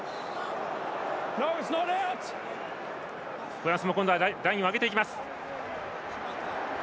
フランスもラインを上げていきます。